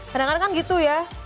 kadang kadang gitu ya